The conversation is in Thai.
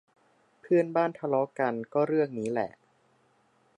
เพื่อนบ้านทะเลาะกันก็เรื่องนี้แหละ